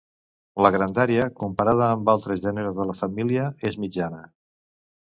La grandària, comparada amb altres gèneres de la família, és mitjana.